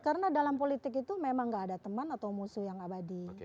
karena dalam politik itu memang tidak ada teman atau musuh yang abadi